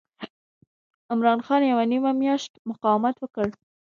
عمرا خان یوه نیمه میاشت مقاومت وکړ.